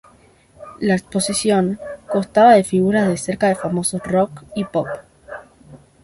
La exposición constaba de figuras de cera de famosos músicos de rock y pop.